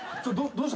どうした？